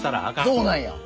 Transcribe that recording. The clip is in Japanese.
そうなんや！